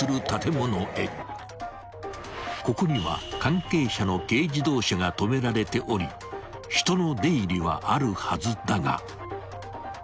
［ここには関係者の軽自動車が止められており人の出入りはあるはずだが］